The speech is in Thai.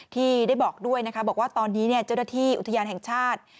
ที่ได้บอกด้วยนะคะบอกว่าตอนนี้เจ้าหน้าที่อุทยานแห่งชาติ